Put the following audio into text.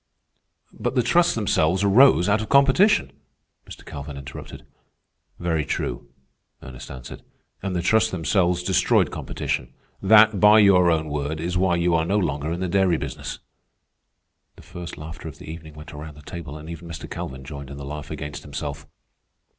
"But the trusts themselves arose out of competition," Mr. Calvin interrupted. "Very true," Ernest answered. "And the trusts themselves destroyed competition. That, by your own word, is why you are no longer in the dairy business." The first laughter of the evening went around the table, and even Mr. Calvin joined in the laugh against himself.